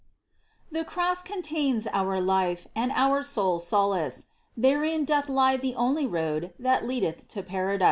The Cross contains our life And our sole solace : Therein doth lie the only road that leadeth To Paradise